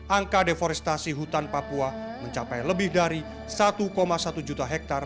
angka deforestasi hutan papua mencapai lebih dari satu satu juta hektare